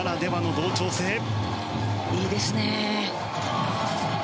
いいですね。